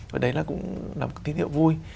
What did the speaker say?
và đấy là cũng là một tín hiệu vui